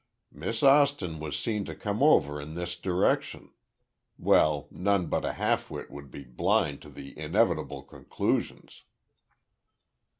Miss Austin was seen to come over in this direction—well, none but a half wit would be blind to the inevitable conclusions!"